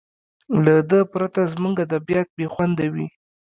له ده پرته زموږ ادبیات بې خونده وي.